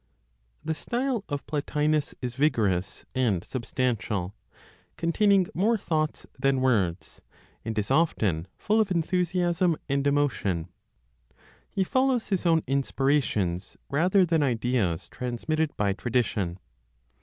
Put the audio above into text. The style of Plotinos is vigorous and substantial, containing more thoughts than words, and is often full of enthusiasm and emotion. He follows his own inspirations rather than ideas transmitted by tradition.